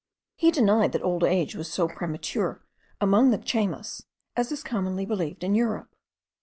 He denied that old age was so premature among the Chaymas, as is commonly believed in Europe.